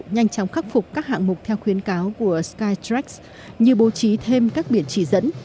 nhanh chóng khắc phục các hạng mục theo khuyến cáo của skytreacs như bố trí thêm các biển chỉ dẫn